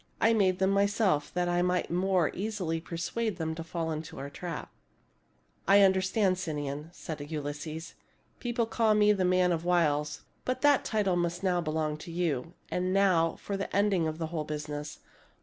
" I made them myself, that I might the more easily persuade them to fall into our trap." " I understand, Sinon," said Ulysses. " People call me the man of wiles, but that title must now belong to you. And now, for the ending of the whole business